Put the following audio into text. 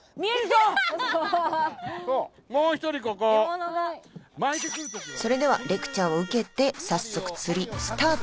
もう一人ここはいそれではレクチャーを受けて早速釣りスタート